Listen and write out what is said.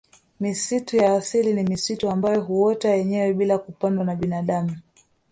Misitu ya asili ni misitu ambayo huota yenyewe bila kupandwa na binadamu